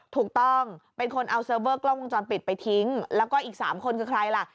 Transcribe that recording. ถูกต้องเป็นคนเอาเซิร์ฟเวอร์กล้องวงจรปิดไปทิ้งแล้วก็อีก๓คนคือใครล่ะ